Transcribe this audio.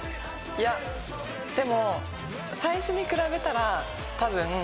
いやでも最初に比べたらたぶん。